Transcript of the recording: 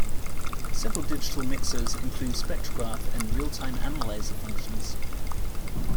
Several digital mixers include spectrograph and real time analyzer functions.